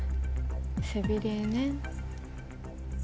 背びれね。